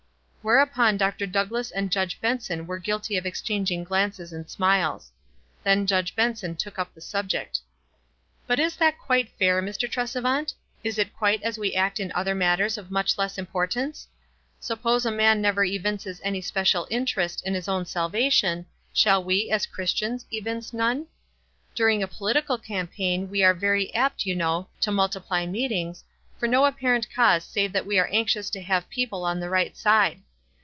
Whereupon Dr. Douglass and Judge Benson were guilty of exchanging glances and smiles. Then Judge Benson took up the subject. "But is that quite fair, Mr. Tresevant? Is it quite as we act in other matters of much less importance ? Suppose a man never evinces any special interest in his own salvation, shall we, as Christians, evince none? During a political 320 WT8E AND OTHEKWISE campaign we are very apt, you know, to mul tiply meetings, for no apparent cause save that we are anxious to have people on the right side.